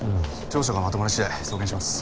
調書がまとまり次第送検します。